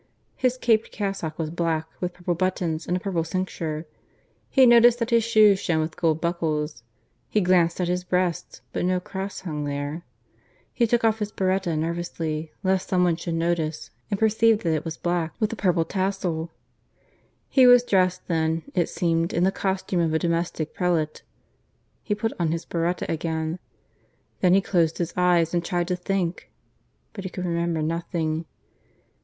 His caped cassock was black, with purple buttons and a purple cincture. He noticed that his shoes shone with gold buckles; he glanced at his breast, but no cross hung there. He took off his biretta, nervously, lest some one should notice, and perceived that it was black with a purple tassel. He was dressed then, it seemed, in the costume of a Domestic Prelate. He put on his biretta again. Then he closed his eyes and tried to think; but he could remember nothing.